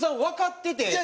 わかってて？